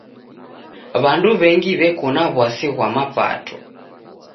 W'andu w'engi w'eko na w'asi ghwa mapato.